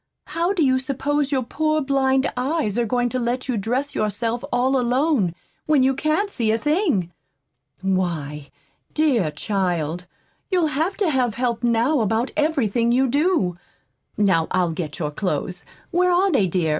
How do you suppose your poor blind eyes are going to let you dress yourself all alone, when you can't see a thing? Why, dear child, you'll have to have help now about everything you do. Now I'll get your clothes. Where are they, dear?